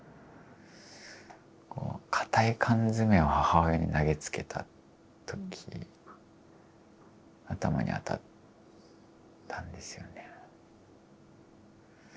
硬い缶詰を母親に投げつけた時頭に当たったんですよね。